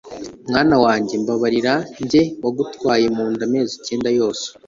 mwana wanjye, mbabarira jye wagutwaye mu nda amezi cyenda yose